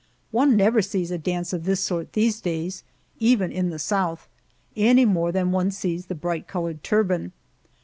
One never sees a dance of this sort these days, even in the South, any more than one sees the bright colored turban.